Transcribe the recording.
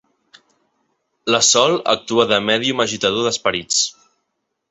La Sol actua de mèdium agitador d'esperits.